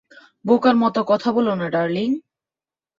বোকার মত কথা বলো না, ডার্লিং।